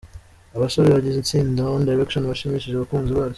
Abasore bagize itsinda One Direction bashimishije abakunzi baryo.